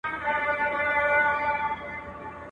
سړي وویل وراره دي حکمران دئ.